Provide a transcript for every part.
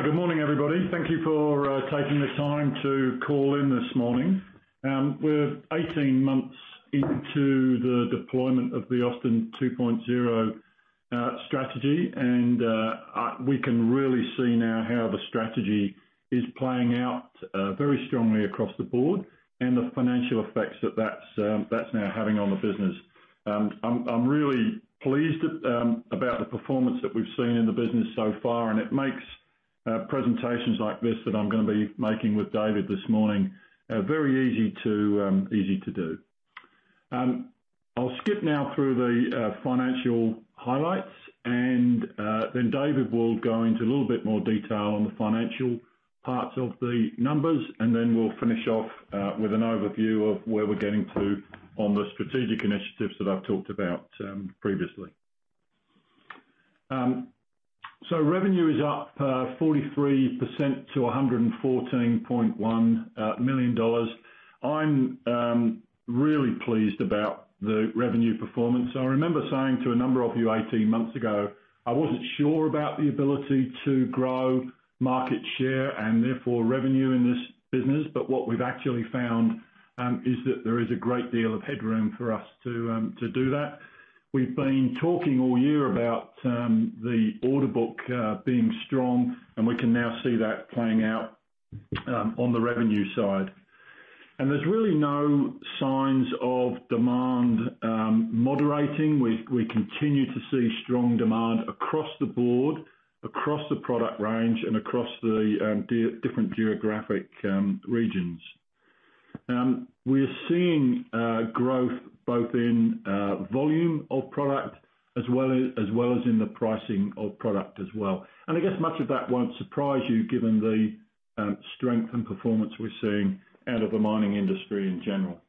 Hi, good morning, everybody. Thank you for taking the time to call in this morning. We're 18 months into the deployment of the Austin 2.0 strategy, and we can really see now how the strategy is playing out very strongly across the board and the financial effects that that's now having on the business. I'm really pleased about the performance that we've seen in the business so far, and it makes presentations like this that I'm gonna be making with David this morning, very easy to do. I'll skip now through the financial highlights. David will go into a little bit more detail on the financial parts of the numbers. We'll finish off with an overview of where we're getting to on the strategic initiatives that I've talked about previously. Revenue is up 43% to 114.1 million dollars. I'm really pleased about the revenue performance. I remember saying to a number of you 18 months ago, I wasn't sure about the ability to grow market share and therefore revenue in this business. What we've actually found is that there is a great deal of headroom for us to do that. We've been talking all year about the order book being strong, we can now see that playing out on the revenue side. There's really no signs of demand moderating. We continue to see strong demand across the board, across the product range and across the different geographic regions. We're seeing growth both in volume of product as well as in the pricing of product as well. I guess much of that won't surprise you given the strength and performance we're seeing out of the mining industry in general.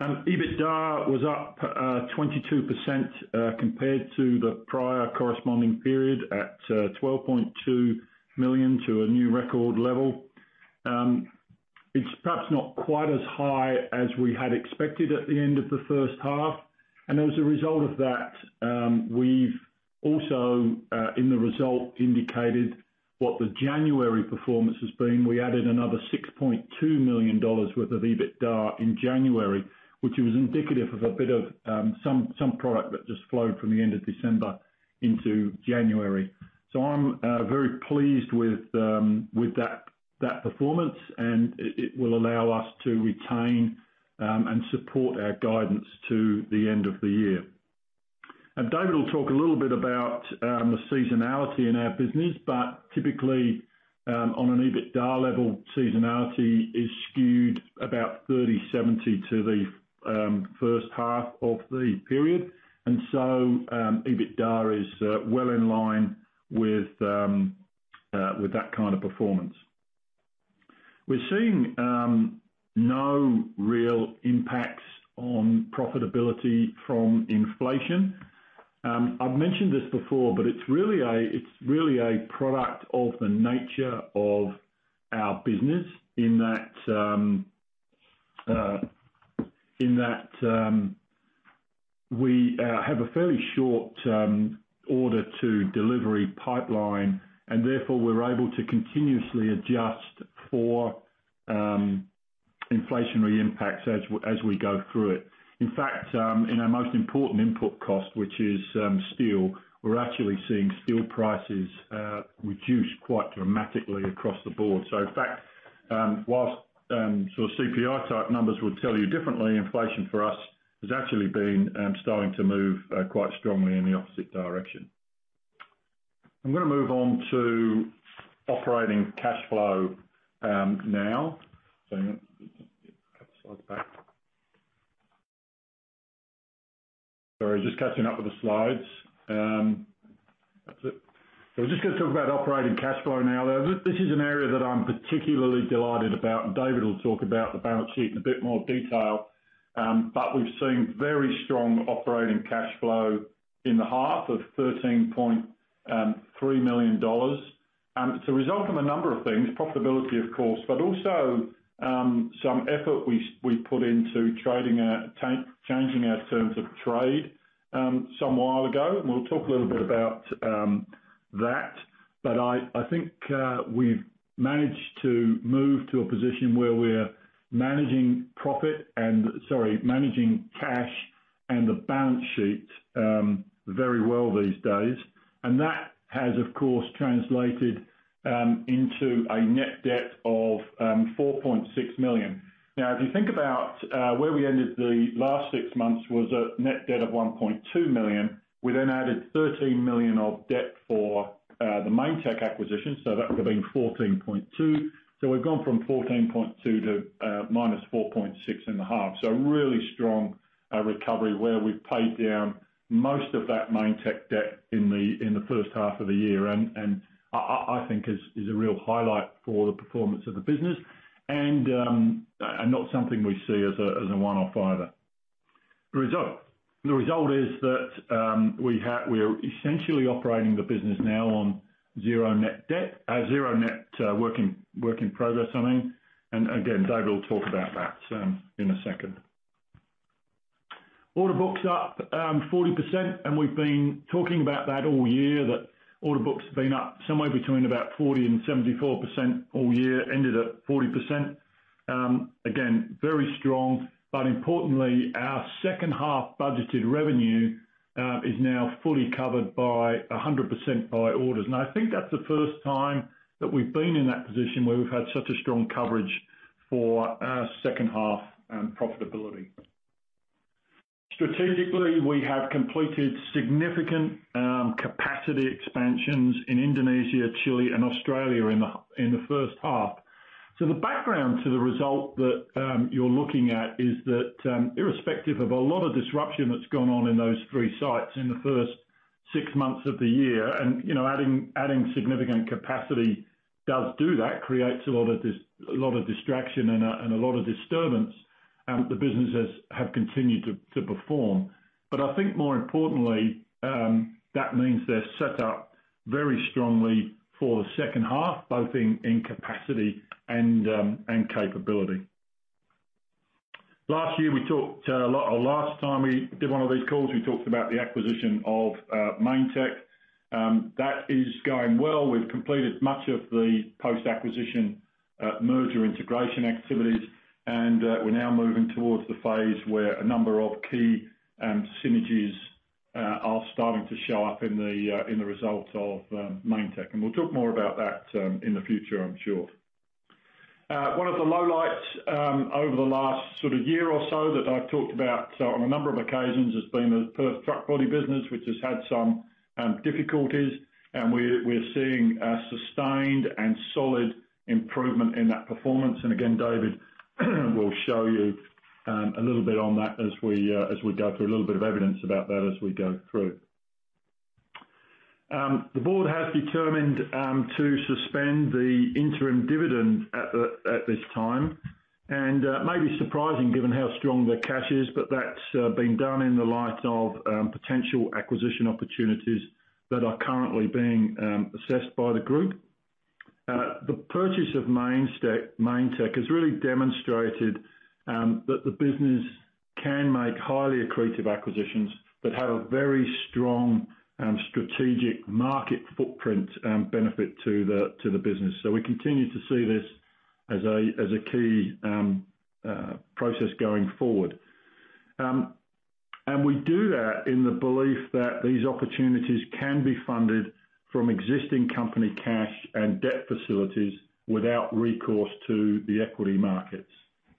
EBITDA was up 22% compared to the prior corresponding period at 12.2 million to a new record level. It's perhaps not quite as high as we had expected at the end of the first half. As a result of that, we've also in the result indicated what the January performance has been. We added another 6.2 million dollars worth of EBITDA in January, which was indicative of a bit of some product that just flowed from the end of December into January. I'm very pleased with that performance, and it will allow us to retain and support our guidance to the end of the year. David will talk a little bit about the seasonality in our business. But typically, on an EBITDA level, seasonality is skewed about 30-70 to the first half of the period. EBITDA is well in line with that kind of performance. We're seeing no real impacts on profitability from inflation. I've mentioned this before, but it's really a product of the nature of our business in that we have a fairly short order to delivery pipeline, and therefore, we're able to continuously adjust for inflationary impacts as we go through it. In fact, in our most important input cost, which is steel, we're actually seeing steel prices reduce quite dramatically across the board. In fact, whilst sort of CPI type numbers would tell you differently, inflation for us has actually been starting to move quite strongly in the opposite direction. I'm gonna move on to operating cash flow now. Let me just Go back. Sorry, just catching up with the slides. That's it. We're just gonna talk about operating cash flow now. This is an area that I'm particularly delighted about. David will talk about the balance sheet in a bit more detail. We've seen very strong operating cash flow in the half of 13.3 million dollars. It's a result from a number of things, profitability of course, but also some effort we put into trading our changing our terms of trade some while ago, and we'll talk a little bit about that. I think we've managed to move to a position where we're managing profit and, sorry, managing cash and the balance sheet very well these days. That has, of course, translated into a net debt of 4.6 million. If you think about where we ended the last six months was a net debt of 1.2 million. We added 13 million of debt for the Mainetec acquisition, that would have been 14.2. We've gone from 14.2 to minus 4.6 in the half. Really strong recovery where we've paid down most of that Mainetec debt in the first half of the year and I think is a real highlight for the performance of the business and not something we see as a one-off either. The result is that we're essentially operating the business now on zero net debt, zero net work in progress, I mean. Again, David will talk about that in a second. Order books up 40%, and we've been talking about that all year, that order books have been up somewhere between about 40%-74% all year, ended at 40%. Again, very strong. Importantly, our second half budgeted revenue is now fully covered by 100% by orders. I think that's the first time that we've been in that position where we've had such a strong coverage for our second half profitability. Strategically, we have completed significant capacity expansions in Indonesia, Chile, and Australia in the first half. The background to the result that you're looking at is that, irrespective of a lot of disruption that's gone on in those three sites in the first six months of the year, and, you know, adding significant capacity does that, creates a lot of distraction and a lot of disturbance, the businesses have continued to perform. I think more importantly, that means they're set up very strongly for the second half, both in capacity and capability. Last year, we talked a lot... Or last time we did one of these calls, we talked about the acquisition of Mainetec. That is going well. We've completed much of the post-acquisition merger integration activities, we're now moving towards the phase where a number of key synergies are starting to show up in the results of Mainetec. We'll talk more about that in the future, I'm sure. One of the lowlights over the last sort of year or so that I've talked about on a number of occasions has been the Perth truck body business, which has had some difficulties. We're seeing a sustained and solid improvement in that performance. Again, David will show you a little bit on that as we go through, a little bit of evidence about that as we go through. The board has determined to suspend the interim dividend at this time. It may be surprising given how strong the cash is, but that's been done in the light of potential acquisition opportunities that are currently being assessed by the group. The purchase of Mainetec has really demonstrated that the business can make highly accretive acquisitions that have very strong strategic market footprint benefit to the business. We continue to see this as a key process going forward. We do that in the belief that these opportunities can be funded from existing company cash and debt facilities without recourse to the equity markets.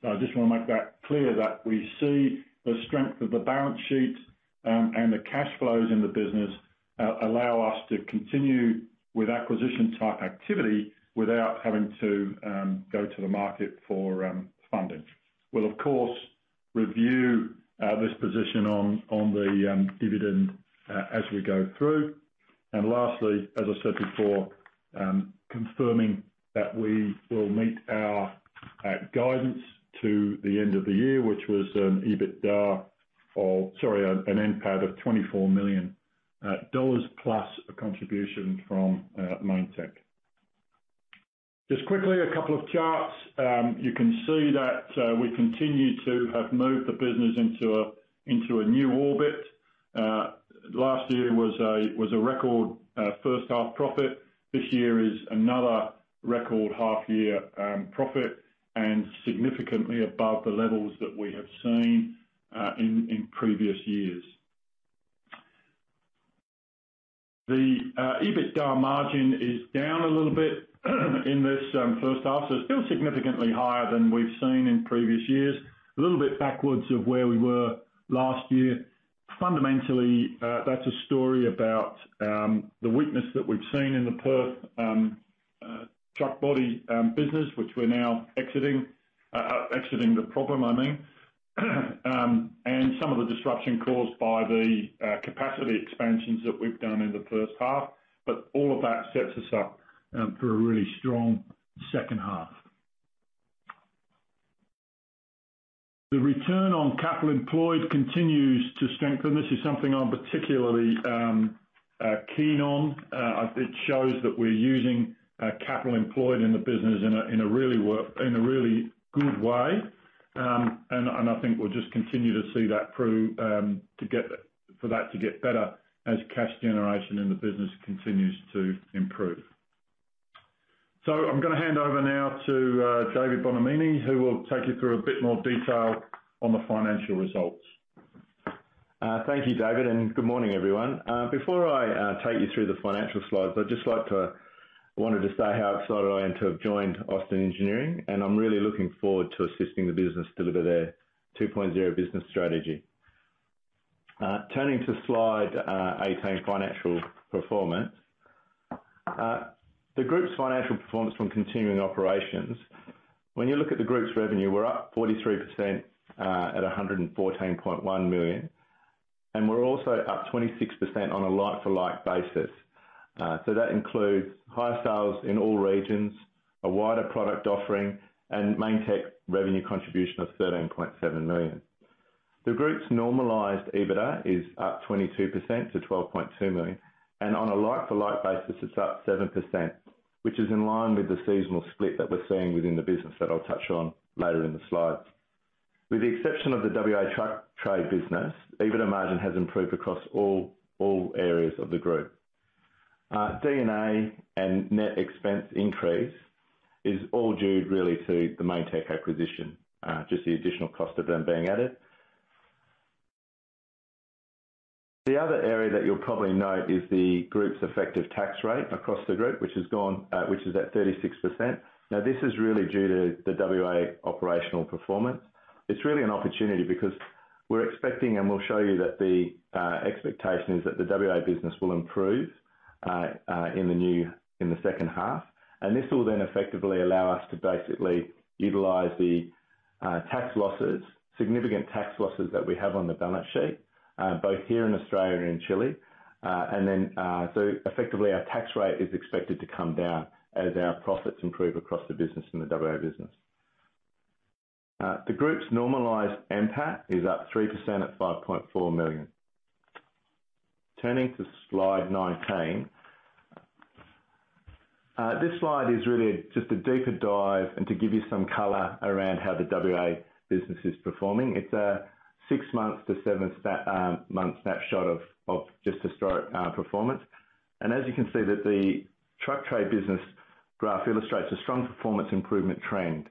I just wanna make that clear that we see the strength of the balance sheet, and the cash flows in the business, allow us to continue with acquisition type activity without having to go to the market for funding. We'll of course review this position on the dividend as we go through. Lastly, as I said before, confirming that we will meet our guidance to the end of the year, which was an EBITDA of... Sorry, an NPAT of 24 million dollars plus a contribution from Mainetec. Just quickly, a couple of charts. You can see that we continue to have moved the business into a new orbit. Last year was a record first half profit. This year is another record half year, profit and significantly above the levels that we have seen in previous years. The EBITDA margin is down a little bit in this first half. It's still significantly higher than we've seen in previous years. A little bit backwards of where we were last year. Fundamentally, that's a story about the weakness that we've seen in the Perth truck body business, which we're now exiting. Exiting the problem I mean. Some of the disruption caused by the capacity expansions that we've done in the first half. All of that sets us up for a really strong second half. The return on capital employed continues to strengthen. This is something I'm particularly keen on. It shows that we're using capital employed in the business in a really good way. And I think we'll just continue to see that through for that to get better as cash generation in the business continues to improve. I'm gonna hand over now to David Bonomini, who will take you through a bit more detail on the financial results. Thank you, David, good morning, everyone. Before I take you through the financial slides, I wanted to say how excited I am to have joined Austin Engineering, and I'm really looking forward to assisting the business deliver their Austin 2.0 business strategy. Turning to slide 18, financial performance. The group's financial performance from continuing operations, when you look at the group's revenue, we're up 43% at 114.1 million. We're also up 26% on a like-for-like basis. That includes higher sales in all regions, a wider product offering, and Mainetec revenue contribution of 13.7 million. The group's normalized EBITDA is up 22% to 12.2 million. On a like-for-like basis, it's up 7%. Which is in line with the seasonal split that we're seeing within the business that I'll touch on later in the slides. With the exception of the WA Truck Tray business, EBITDA margin has improved across all areas of the group. D&A and net expense increase is all due really to the Mainetec acquisition, just the additional cost of them being added. The other area that you'll probably note is the group's effective tax rate across the group, which has gone, which is at 36%. This is really due to the WA operational performance. It's really an opportunity because we're expecting, and we'll show you that the expectation is that the WA business will improve in the second half. This will then effectively allow us to basically utilize the tax losses, significant tax losses that we have on the balance sheet, both here in Australia and in Chile. Effectively, our tax rate is expected to come down as our profits improve across the business in the WA business. The group's normalized NPAT is up 3% at $5.4 million. Turning to slide 19. This slide is really just a deeper dive and to give you some color around how the WA business is performing. It's a six-month to seven-month snapshot of just historic performance. As you can see that the Truck Tray business graph illustrates a strong performance improvement trend.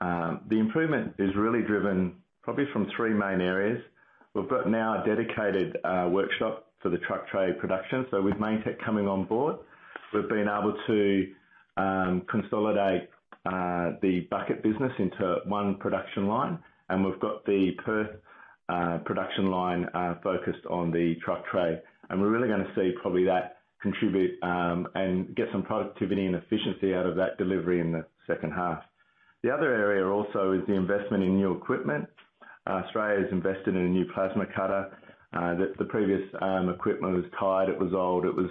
The improvement is really driven probably from three main areas. We've got now a dedicated workshop for the Truck Tray production. With Mainetec coming on board, we've been able to consolidate the bucket business into one production line, and we've got the Perth production line focused on the Truck Tray. We're really gonna see probably that contribute and get some productivity and efficiency out of that delivery in the second half. The other area also is the investment in new equipment. Australia has invested in a new plasma cutter that the previous equipment was tired, it was old, it was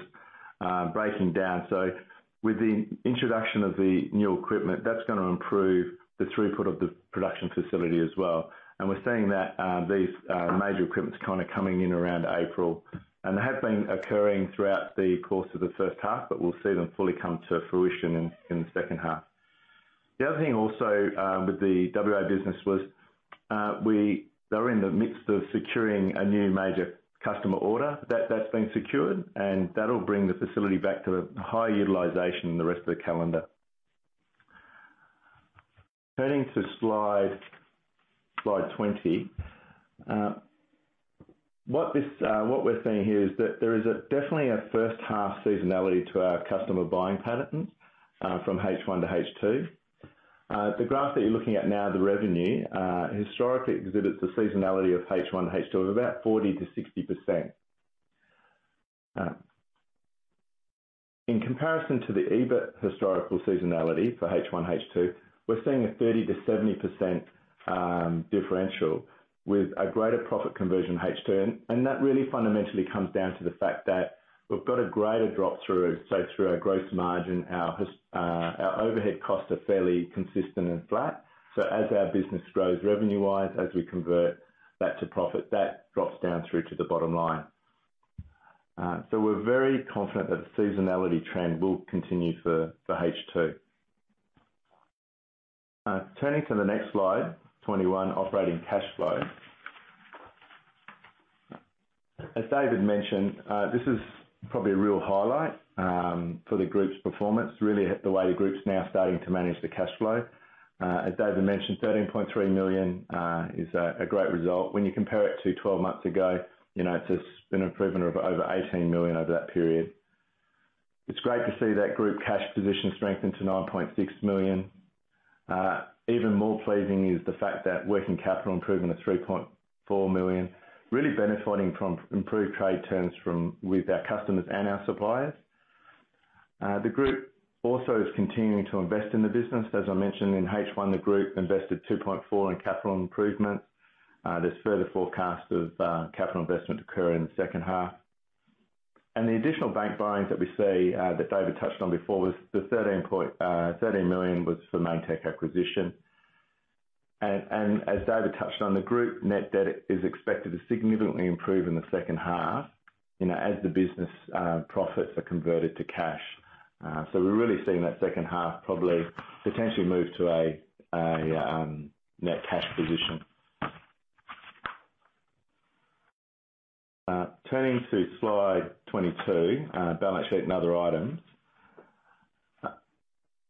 breaking down. With the introduction of the new equipment, that's gonna improve the throughput of the production facility as well. We're seeing that these major equipments kind of coming in around April. They have been occurring throughout the course of the first half, but we'll see them fully come to fruition in the second half. The other thing also with the WA business was they're in the midst of securing a new major customer order. That's been secured, and that'll bring the facility back to a high utilization in the rest of the calendar. Turning to slide 20. What this, what we're seeing here is that there is a definitely a first half seasonality to our customer buying patterns from H1 to H2. The graph that you're looking at now, the revenue historically exhibits a seasonality of H1, H2 of about 40%-60%. In comparison to the EBIT historical seasonality for H1, H2, we're seeing a 30%-70% differential with a greater profit conversion H2. That really fundamentally comes down to the fact that we've got a greater drop through. Through our gross margin, our overhead costs are fairly consistent and flat. As our business grows revenue-wise, as we convert that to profit, that drops down through to the bottom line. We're very confident that the seasonality trend will continue for H2. Turning to the next slide, 21, operating cash flow. As David mentioned, this is probably a real highlight for the group's performance, really the way the group's now starting to manage the cash flow. As David mentioned, 13.3 million is a great result. When you compare it to 12 months ago, you know, it's just been an improvement of over 18 million over that period. It's great to see that group cash position strengthen to 9.6 million. Even more pleasing is the fact that working capital improvement of 3.4 million, really benefiting from improved trade terms from with our customers and our suppliers. The group also is continuing to invest in the business. As I mentioned in H1, the group invested 2.4 in capital improvements. There's further forecast of capital investment to occur in the second half. The additional bank borrowings that we see that David touched on before was 13 million was for Mainetec acquisition. As David touched on, the group net debt is expected to significantly improve in the second half, you know, as the business profits are converted to cash. We're really seeing that second half probably potentially move to a net cash position. Turning to slide 22, balance sheet and other items.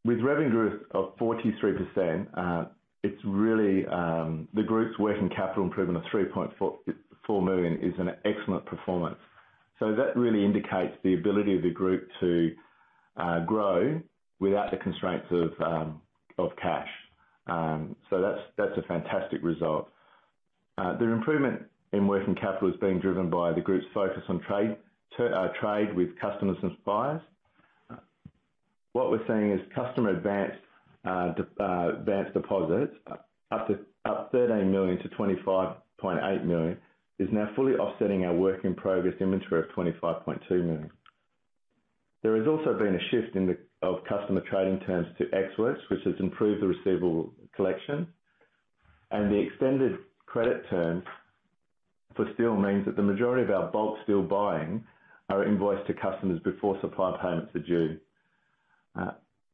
With revenue growth of 43%, it's really The group's working capital improvement of 3.44 million is an excellent performance. That really indicates the ability of the group to grow without the constraints of cash. That's a fantastic result. Their improvement in working capital is being driven by the group's focus on trade with customers and suppliers. What we're seeing is customer advanced deposits up to 13 million to 25.8 million, is now fully offsetting our work in progress inventory of 25.2 million. There has also been a shift of customer trading terms to Ex Works, which has improved the receivable collection. The extended credit terms for steel means that the majority of our bulk steel buying are invoiced to customers before supply payments are due.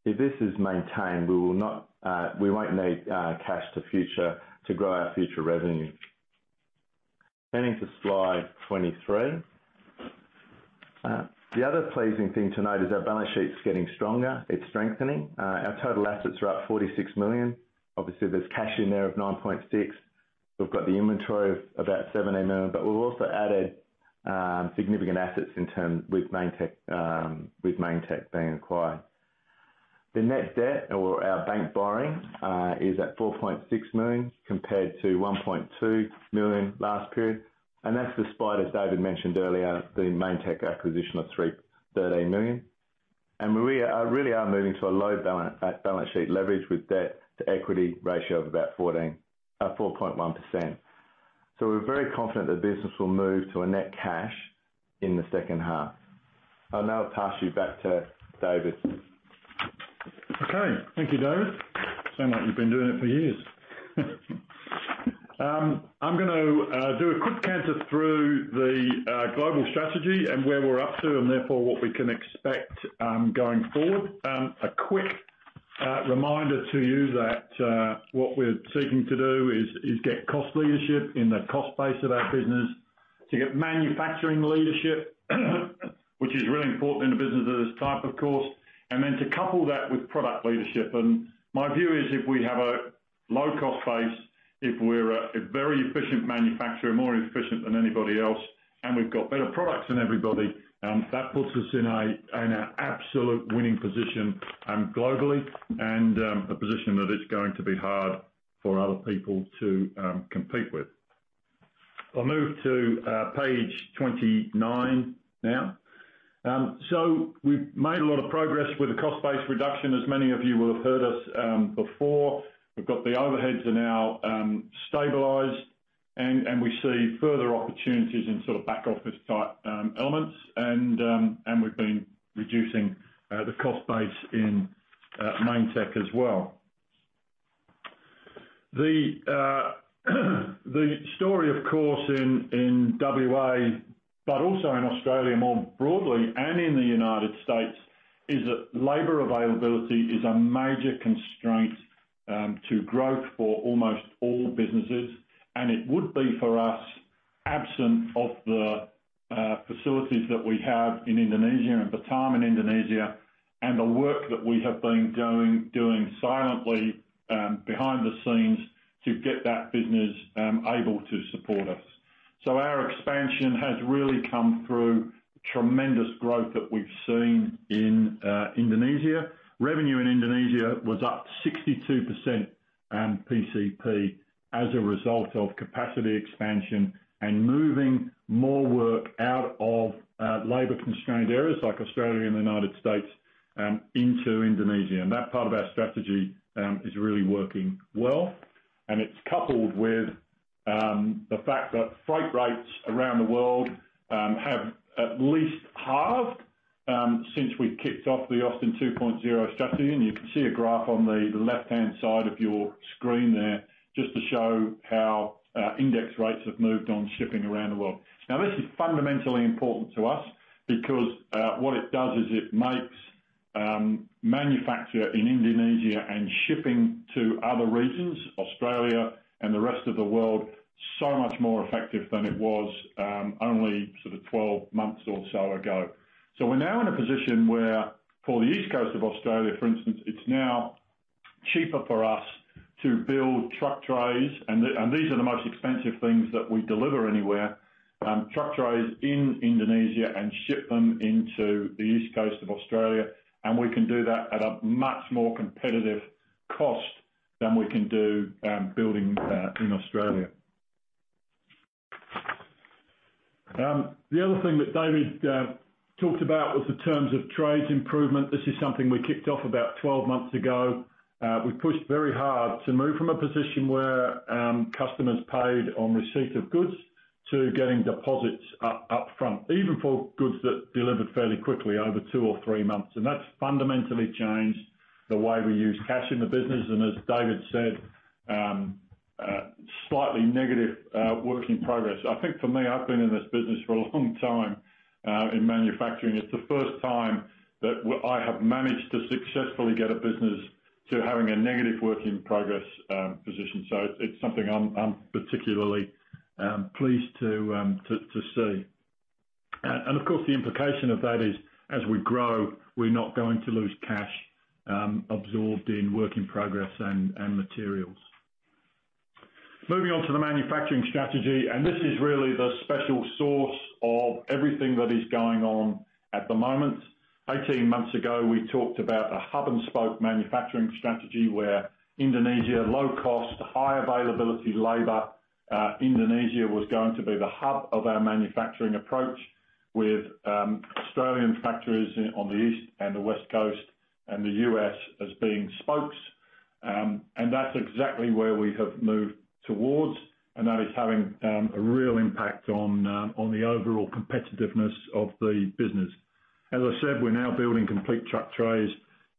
If this is maintained, we will not, we won't need cash to grow our future revenue. Turning to slide 23. The other pleasing thing to note is our balance sheet's getting stronger. It's strengthening. Our total assets are up 46 million. Obviously, there's cash in there of 9.6 million. We've got the inventory of about 17 million, but we've also added significant assets in turn with Mainetec, with Mainetec being acquired. The net debt or our bank borrowing is at 4.6 million compared to 1.2 million last period. That's despite, as David mentioned earlier, the Mainetec acquisition of 13 million. We are, really are moving to a low balance sheet leverage with debt-to-equity ratio of about 4.1%. We're very confident the business will move to a net cash in the second half. I'll now pass you back to David. Okay. Thank you, David. Sound like you've been doing it for years. I'm gonna do a quick canter through the global strategy and where we're up to and therefore what we can expect going forward. A quick reminder to you that what we're seeking to do is get cost leadership in the cost base of our business to get manufacturing leadership, which is really important in a business of this type, of course. To couple that with product leadership. My view is if we have a low cost base, if we're a very efficient manufacturer, more efficient than anybody else, and we've got better products than everybody, that puts us in a absolute winning position globally and a position that it's going to be hard for other people to compete with. I'll move to page 29 now. We've made a lot of progress with the cost base reduction, as many of you will have heard us before. We've got the overheads are now stabilized and we see further opportunities in sort of back office type elements. We've been reducing the cost base in Mainetec as well. The story of course in WA, but also in Australia more broadly and in the United States, is that labor availability is a major constraint to growth for almost all businesses, and it would be for us absent of the facilities that we have in Indonesia, in Batam, in Indonesia, and the work that we have been doing silently behind the scenes to get that business able to support us. Our expansion has really come through tremendous growth that we've seen in Indonesia. Revenue in Indonesia was up 62% and PCP as a result of capacity expansion and moving more work out of labor-constrained areas like Australia and the United States into Indonesia. That part of our strategy is really working well. It's coupled with the fact that freight rates around the world have at least halved since we kicked off the Austin 2.0 strategy. You can see a graph on the left-hand side of your screen there just to show how index rates have moved on shipping around the world. Now, this is fundamentally important to us because what it does is it makes manufacture in Indonesia and shipping to other regions, Australia and the rest of the world, so much more effective than it was only sort of 12 months or so ago. We're now in a position where for the East Coast of Australia, for instance, it's now cheaper for us to build Truck Trays, and these are the most expensive things that we deliver anywhere, Truck Trays in Indonesia and ship them into the East Coast of Australia. We can do that at a much more competitive cost than we can do building in Australia. The other thing that David talked about was the terms of trades improvement. This is something we kicked off about 12 months ago. We pushed very hard to move from a position where customers paid on receipt of goods to getting deposits up front, even for goods that delivered fairly quickly over two or three months. That's fundamentally changed the way we use cash in the business. As David said, slightly negative work in progress. I think for me, I've been in this business for a long time in manufacturing. It's the first time that I have managed to successfully get a business to having a negative work in progress position. It's something I'm particularly pleased to see. Of course, the implication of that is, as we grow, we're not going to lose cash absorbed in work in progress and materials. Moving on to the manufacturing strategy, this is really the special source of everything that is going on at the moment. 18 months ago, we talked about a hub-and-spoke manufacturing strategy where Indonesia, low cost, high availability labor, Indonesia was going to be the hub of our manufacturing approach with Australian factories on the east and the west coast and the US as being spokes. That's exactly where we have moved towards, and that is having a real impact on the overall competitiveness of the business. As I said, we're now building complete truck trays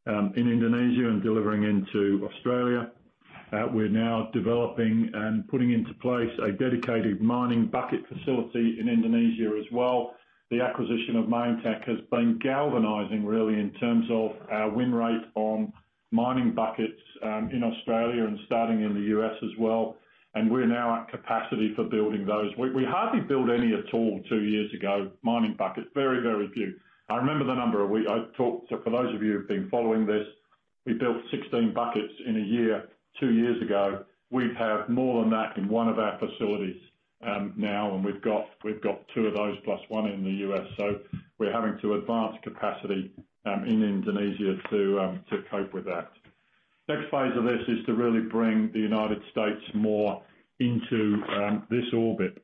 in Indonesia and delivering into Australia. We're now developing and putting into place a dedicated mining bucket facility in Indonesia as well. The acquisition of Mainetec has been galvanizing really in terms of our win rate on mining buckets in Australia and starting in the US as well. We're now at capacity for building those. We hardly built any at all two years ago, mining buckets. Very, very few. I remember the number I talked to. For those of you who've been following this, we built 16 buckets in a year, two years ago. We have more than that in one of our facilities now, and we've got two of those plus one in the U.S. We're having to advance capacity in Indonesia to cope with that. Next phase of this is to really bring the United States more into this orbit.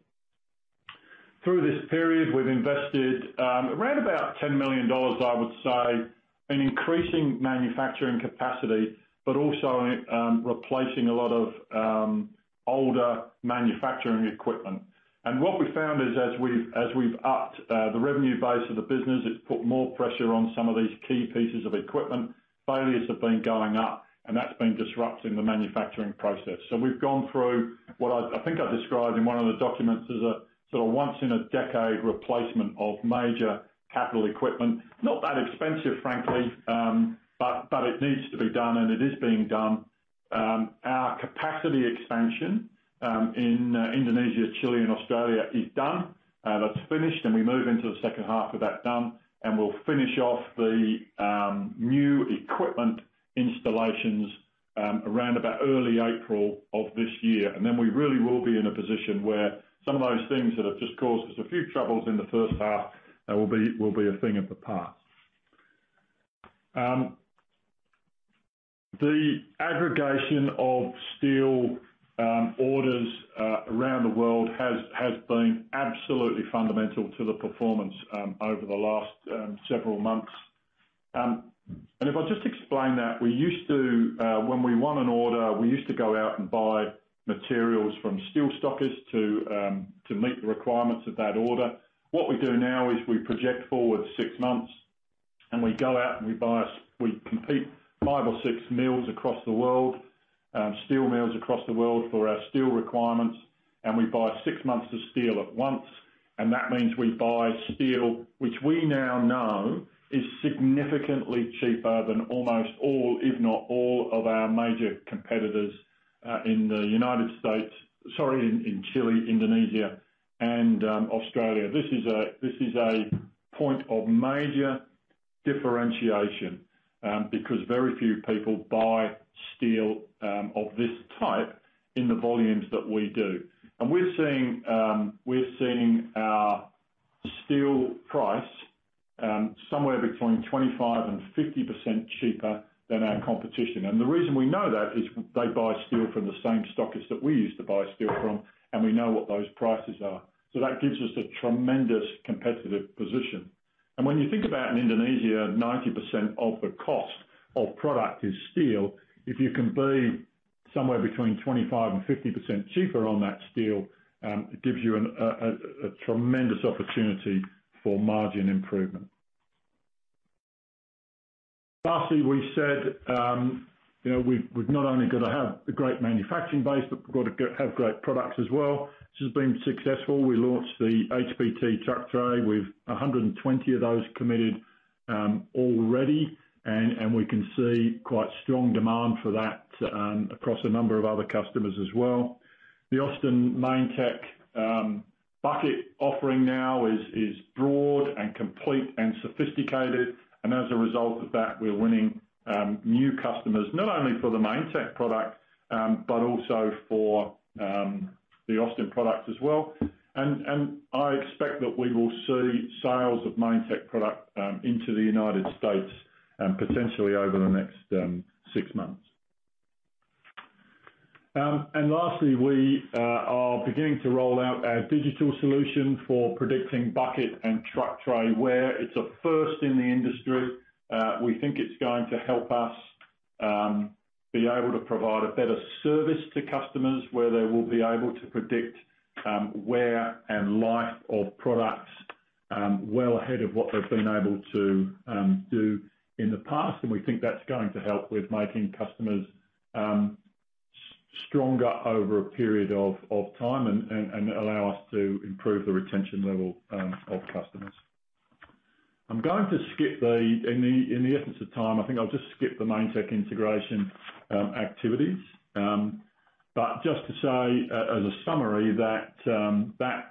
Through this period, we've invested around about $10 million, I would say, in increasing manufacturing capacity, but also in replacing a lot of older manufacturing equipment. What we found is as we've upped the revenue base of the business, it put more pressure on some of these key pieces of equipment. Failures have been going up, that's been disrupting the manufacturing process. We've gone through what I think I described in one of the documents as a sort of once in a decade replacement of major capital equipment. Not that expensive, frankly, but it needs to be done, and it is being done. Our capacity expansion in Indonesia, Chile, and Australia is done. That's finished, and we move into the second half of that done, and we'll finish off the new equipment installations around about early April of this year. Then we really will be in a position where some of those things that have just caused us a few troubles in the first half, will be a thing of the past. The aggregation of steel orders around the world has been absolutely fundamental to the performance over the last several months. If I just explain that, we used to, when we won an order, we used to go out and buy materials from steel stockers to meet the requirements of that order. What we do now is we project forward six months, and we go out and we buy we compete five or six mills across the world, steel mills across the world for our steel requirements, and we buy six months of steel at once. That means we buy steel, which we now know is significantly cheaper than almost all, if not all, of our major competitors in Chile, Indonesia, and Australia. This is a point of major differentiation because very few people buy steel of this type in the volumes that we do. We're seeing our steel price somewhere between 25% and 50% cheaper than our competition. The reason we know that is they buy steel from the same stockers that we used to buy steel from, and we know what those prices are. That gives us a tremendous competitive position. When you think about in Indonesia, 90% of the cost of product is steel. If you can be somewhere between 25% and 50% cheaper on that steel, it gives you a tremendous opportunity for margin improvement. Lastly, we said, you know, we've not only gotta have a great manufacturing base, but we've gotta have great products as well. This has been successful. We launched the HPT Truck Tray. We've 120 of those committed already, and we can see quite strong demand for that across a number of other customers as well. The Austin Mainetec bucket offering now is broad and complete and sophisticated. As a result of that, we're winning new customers, not only for the Mainetec product, but also for the Austin product as well. I expect that we will see sales of Mainetec product into the United States, potentially over the next six months. Lastly, we are beginning to roll out our digital solution for predicting bucket and Truck Tray wear. It's a first in the industry. We think it's going to help us be able to provide a better service to customers where they will be able to predict wear and life of products well ahead of what they've been able to do in the past. We think that's going to help with making customers stronger over a period of time and allow us to improve the retention level of customers. I'm going to skip In the essence of time, I think I'll just skip the Mainetec integration activities. Just to say as a summary that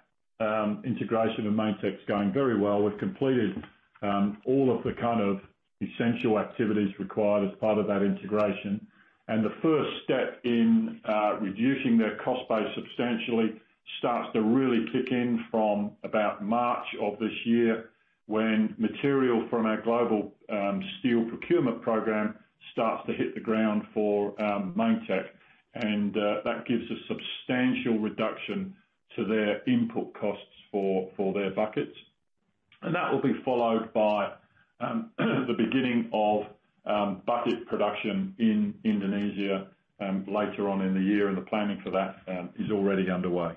integration of Mainetec is going very well. We've completed all of the kind of essential activities required as part of that integration. The first step in reducing their cost base substantially starts to really kick in from about March of this year when material from our global steel procurement program starts to hit the ground for Mainetec. That gives a substantial reduction to their input costs for their buckets. That will be followed by the beginning of bucket production in Indonesia later on in the year, and the planning for that is already underway.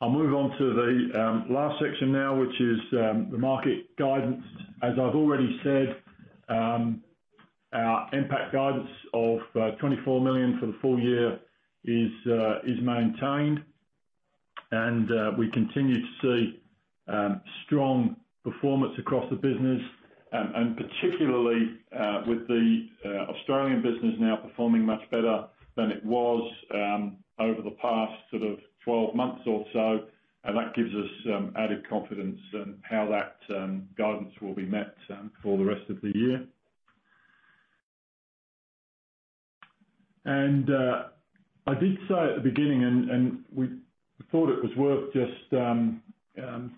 I'll move on to the last section now, which is the market guidance. As I've already said, our impact guidance of 24 million for the full year is maintained. We continue to see strong performance across the business, and particularly with the Australian business now performing much better than it was over the past sort of 12 months or so. That gives us some added confidence in how that guidance will be met for the rest of the year. I did say at the beginning, and we thought it was worth just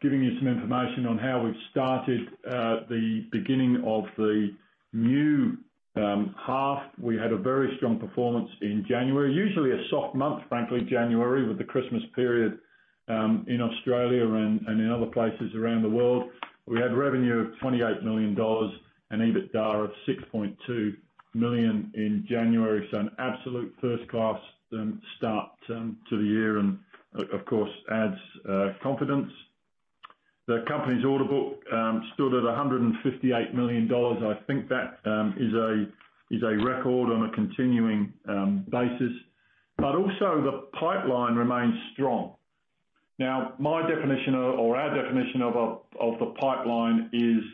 giving you some information on how we've started the beginning of the new half. We had a very strong performance in January. Usually a soft month, frankly, January, with the Christmas period in Australia and in other places around the world. We had revenue of 28 million dollars and EBITDA of 6.2 million in January. An absolute first-class start to the year and of course, adds confidence. The company's order book stood at 158 million dollars. I think that is a record on a continuing basis. Also the pipeline remains strong. Now, my definition or our definition of the pipeline is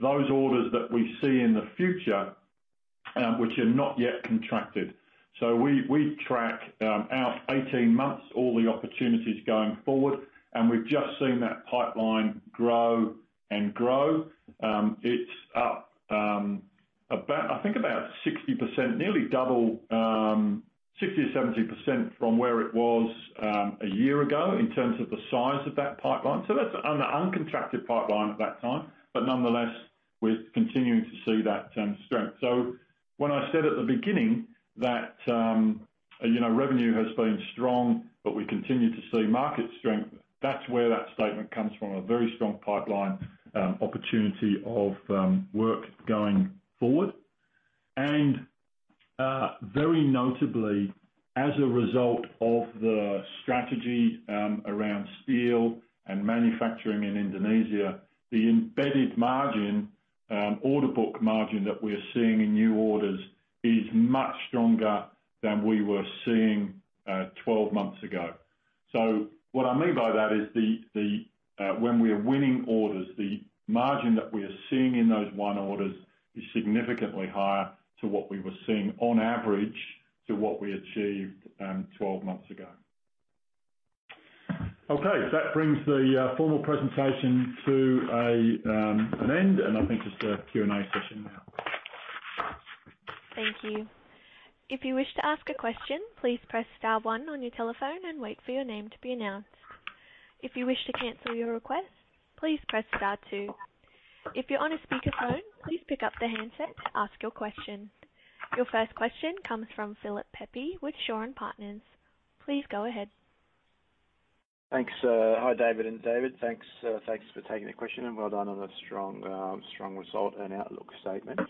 those orders that we see in the future, which are not yet contracted. We track out 18 months all the opportunities going forward, and we've just seen that pipeline grow and grow. It's up about, I think about 60%, nearly double, 60%-70% from where it was a year ago in terms of the size of that pipeline. That's an uncontracted pipeline at that time. Nonetheless, we're continuing to see that strength. When I said at the beginning that, you know, revenue has been strong, but we continue to see market strength, that's where that statement comes from, a very strong pipeline, opportunity of work going forward. Very notably, as a result of the strategy around steel and manufacturing in Indonesia, the embedded margin, order book margin that we're seeing in new orders is much stronger than we were seeing 12 months ago. What I mean by that is the when we are winning orders, the margin that we are seeing in those won orders is significantly higher to what we were seeing on average to what we achieved 12 months ago. Okay, that brings the formal presentation to an end, and I think just a Q&A session now. Thank you. If you wish to ask a question, please press star one on your telephone and wait for your name to be announced. If you wish to cancel your request, please press star two. If you're on a speakerphone, please pick up the handset to ask your question. Your first question comes from Philip Pepe with Shaw and Partners. Please go ahead. Thanks. Hi, David and David. Thanks for taking the question, well done on a strong result and outlook statement.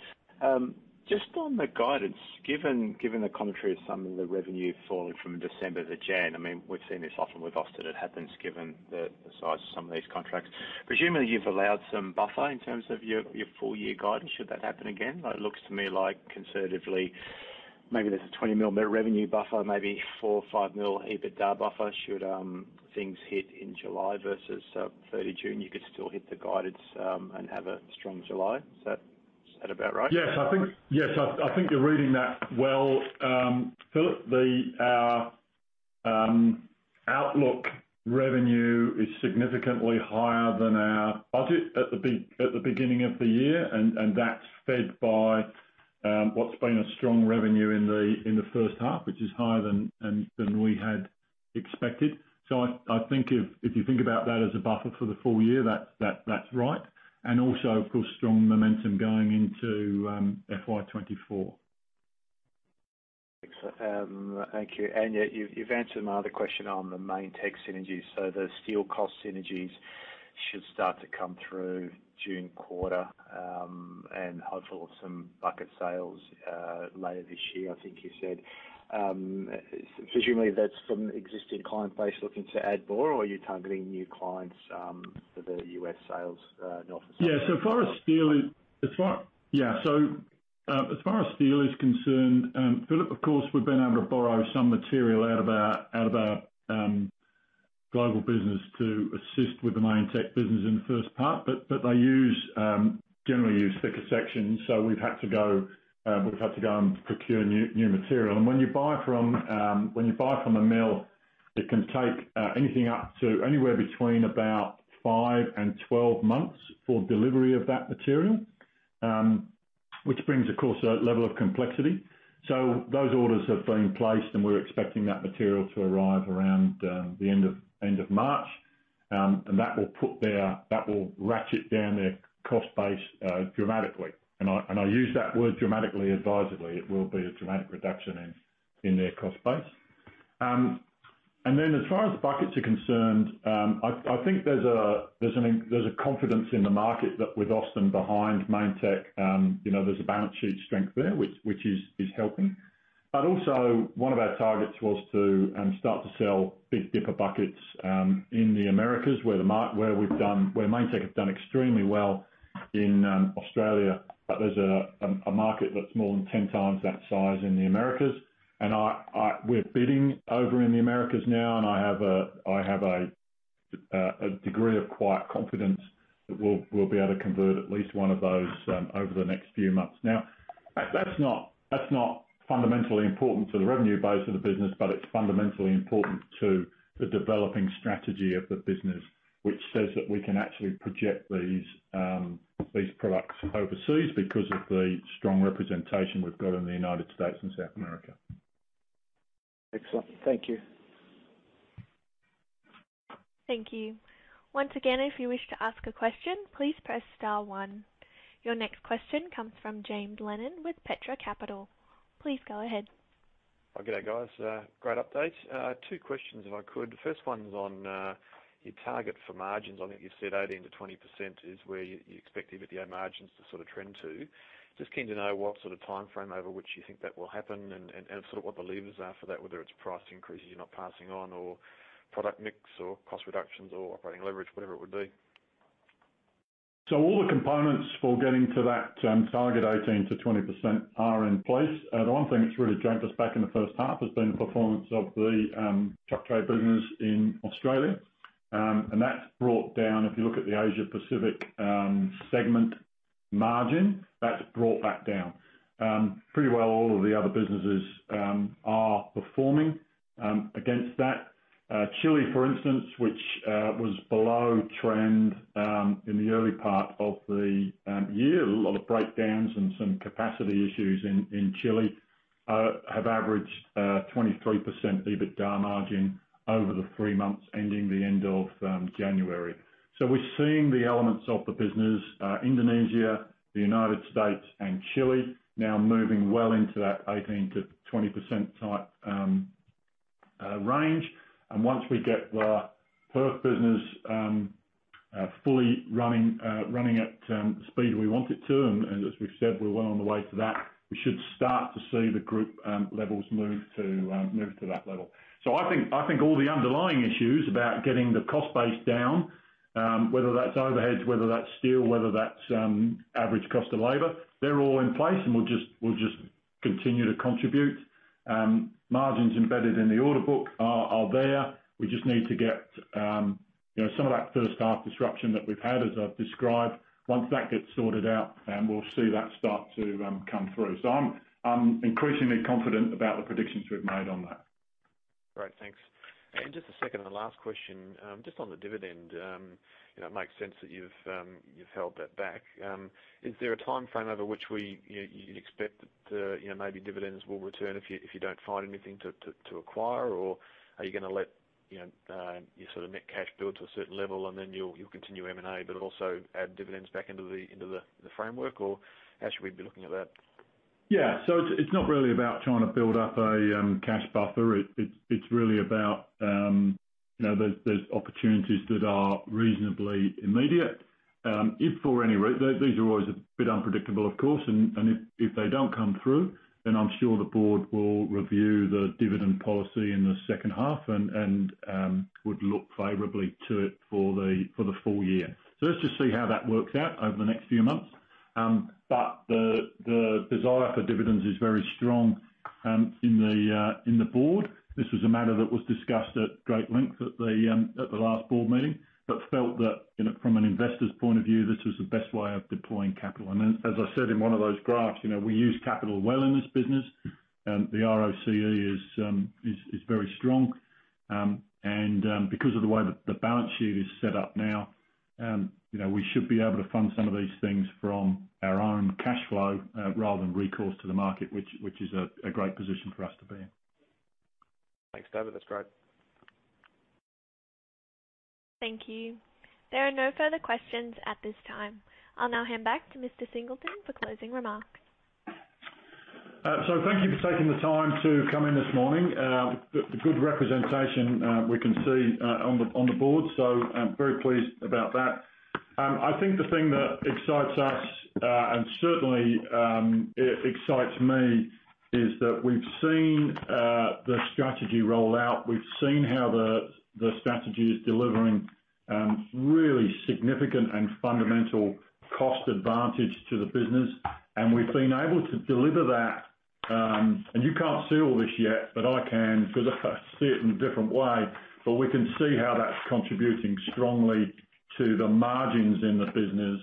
Just on the guidance, given the contrary of some of the revenue falling from December to January, I mean, we've seen this often with Austin, it happens given the size of some of these contracts. Presumably, you've allowed some buffer in terms of your full year guidance should that happen again. It looks to me like conservatively, maybe there's a 20 million revenue buffer, maybe 4 million-5 million EBITDA buffer should things hit in July versus June 30. You could still hit the guidance and have a strong July. Is that about right? Yes. I think you're reading that well, Philip. The outlook revenue is significantly higher than our budget at the beginning of the year, and that's fed by what's been a strong revenue in the first half, which is higher than we had expected. I think if you think about that as a buffer for the full year, that's right. Also, of course, strong momentum going into FY24. Thanks. Thank you. You, you've answered my other question on the Mainetec synergies. The steel cost synergies should start to come through June quarter, and hopefully some bucket sales later this year, I think you said. Presumably that's from existing client base looking to add more, or are you targeting new clients for the U.S. sales? As far as steel is concerned, Philip, of course, we've been able to borrow some material out of our global business to assist with the Mainetec business in the first part, but they generally use thicker sections. We've had to go and procure new material. When you buy from a mill, it can take anything up to anywhere between about five and 12 months for delivery of that material, which brings, of course, a level of complexity. Those orders have been placed, and we're expecting that material to arrive around the end of March. That will ratchet down their cost base dramatically. I use that word dramatically advisedly. It will be a dramatic reduction in their cost base. As far as the buckets are concerned, I think there's a confidence in the market that with Austin behind Mainetec, you know, there's a balance sheet strength there, which is helping. Also one of our targets was to start to sell big dipper buckets in the Americas, where Mainetec has done extremely well in Australia. There's a market that's more than 10 times that size in the Americas. We're bidding over in the Americas now, and I have a degree of quiet confidence that we'll be able to convert at least one of those over the next few months. Now, that's not fundamentally important to the revenue base of the business, but it's fundamentally important to the developing strategy of the business, which says that we can actually project these products overseas because of the strong representation we've got in the United States and South America. Excellent. Thank you. Thank you. Once again, if you wish to ask a question, please press star one. Your next question comes from James Lennon with Petra Capital. Please go ahead. Good day, guys. Great update. Two questions, if I could. First one's on your target for margins. I think you said 18%-20% is where you expect EBITDA margins to sort of trend to. Just keen to know what sort of timeframe over which you think that will happen and sort of what the levers are for that, whether it's price increases you're not passing on or product mix or cost reductions or operating leverage, whatever it would be? All the components for getting to that target 18%-20% are in place. The one thing that's really dragged us back in the first half has been the performance of the Truck Tray business in Australia. That's brought down, if you look at the Asia Pacific segment margin, that's brought that down. Pretty well all of the other businesses are performing against that. Chile, for instance, which was below trend in the early part of the year, a lot of breakdowns and some capacity issues in Chile, have averaged 23% EBITDA margin over the three months ending the end of January. We're seeing the elements of the business, Indonesia, the United States and Chile now moving well into that 18%-20% type range. Once we get the Perth business fully running at speed we want it to, and as we've said, we're well on the way to that, we should start to see the group levels move to that level. I think all the underlying issues about getting the cost base down, whether that's overhead, whether that's steel, whether that's average cost of labor, they're all in place, and we'll just continue to contribute. Margins embedded in the order book are there. We just need to get, you know, some of that first half disruption that we've had, as I've described, once that gets sorted out, then we'll see that start to come through. I'm increasingly confident about the predictions we've made on that. Great. Thanks. Just the second and last question, just on the dividend. You know, it makes sense that you've held that back. Is there a timeframe over which you'd expect that, you know, maybe dividends will return if you don't find anything to acquire, or are you gonna let, you know, your sort of net cash build to a certain level and then you'll continue M&A but also add dividends back into the framework, or how should we be looking at that? Yeah. It's not really about trying to build up a cash buffer. It's really about, you know, those opportunities that are reasonably immediate. If these are always a bit unpredictable, of course, and if they don't come through, then I'm sure the board will review the dividend policy in the second half and would look favorably to it for the full year. Let's just see how that works out over the next few months. The desire for dividends is very strong in the board. This was a matter that was discussed at great length at the last board meeting, but felt that, you know, from an investor's point of view, this was the best way of deploying capital. As I said in one of those graphs, you know, we use capital well in this business. The ROCE is very strong. And because of the way that the balance sheet is set up now, you know, we should be able to fund some of these things from our own cash flow, rather than recourse to the market, which is a great position for us to be in. Thanks, David. That's great. Thank you. There are no further questions at this time. I'll now hand back to Mr. Singleton for closing remarks. Thank you for taking the time to come in this morning. The good representation we can see on the board. I'm very pleased about that. I think the thing that excites us, and certainly it excites me, is that we've seen the strategy roll out. We've seen how the strategy is delivering really significant and fundamental cost advantage to the business. We've been able to deliver that. You can't see all this yet, but I can 'cause I see it in a different way. We can see how that's contributing strongly to the margins in the business,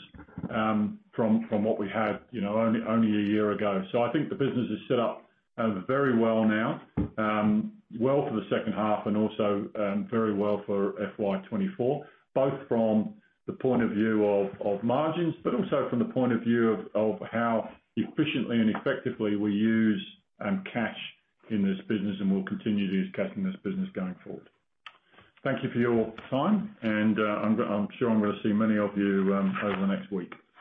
from what we had, you know, only a year ago. I think the business is set up, very well now, well for the second half and also, very well for FY24, both from the point of view of margins, but also from the point of view of how efficiently and effectively we use cash in this business and will continue to use cash in this business going forward. Thank you for your time, and I'm sure I'm gonna see many of you over the next week.